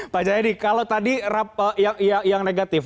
pak jayadi kalau tadi yang negatif